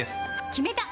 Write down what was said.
決めた！